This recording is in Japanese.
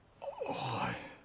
はい。